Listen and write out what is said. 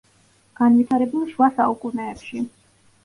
განვითარებული შუა საუკუნეებში.